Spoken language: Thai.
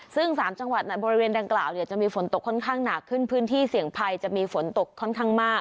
ซึ่ง๓จังหวัดบริเวณดังกล่าวจะมีฝนตกค่อนข้างหนักขึ้นพื้นที่เสี่ยงภัยจะมีฝนตกค่อนข้างมาก